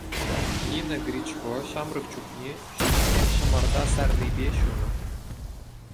Нина Гречко ҫамрӑк чухне ҫӳҫне ҫӑмарта саррипе ҫунӑ.